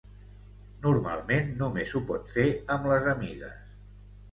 Normalment només ho pot fer amb les amigues.